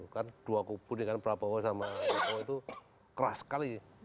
kan dua kubu dengan prabowo sama jokowi itu keras sekali